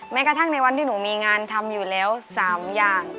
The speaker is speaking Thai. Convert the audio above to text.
กระทั่งในวันที่หนูมีงานทำอยู่แล้ว๓อย่าง